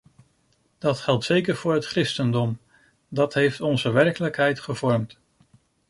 Dat geldt zeker voor het christendom: dat heeft onze werkelijkheid gevormd.